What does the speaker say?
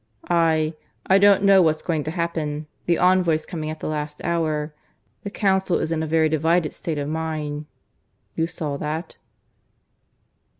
"I ... I don't know what's going to happen. The envoy's coming at the last hour. The Council is in a very divided state of mind. You saw that?"